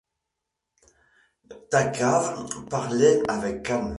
Thalcave parlait avec calme.